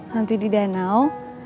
nanti di danau